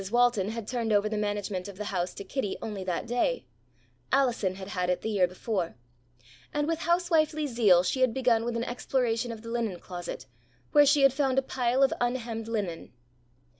Walton had turned over the management of the house to Kitty only that day (Allison had had it the year before) and with house wifely zeal she had begun with an exploration of the linen closet where she had found a pile of unhemmed linen.